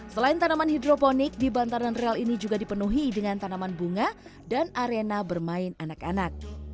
selain tanaman hidroponik di bantaran rel ini juga dipenuhi dengan tanaman bunga dan arena bermain anak anak